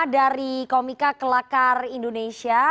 dari komika kelakar indonesia